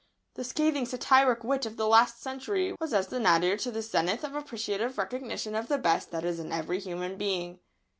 ] The scathing, satiric wit of the last century was as the nadir to this zenith of appreciative recognition of the best that is in every human being.